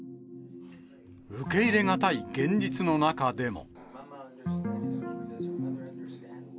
受け入れ難い現実の中でも。